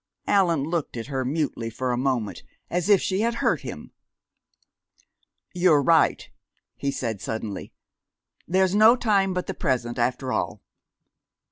Allan looked at her mutely for a moment, as if she had hurt him. "You're right," he said suddenly. "There's no time but the present, after all.